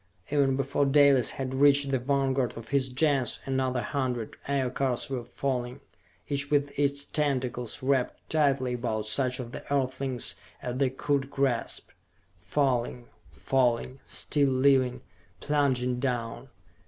Even before Dalis had reached the vanguard of his Gens another hundred Aircars were falling, each with its tentacles wrapped tightly about such of the earthlings as they could grasp. Falling ... falling ... still living, plunging down.